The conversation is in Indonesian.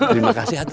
terima kasih atu